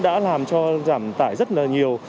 đã làm cho giảm tải rất là nhiều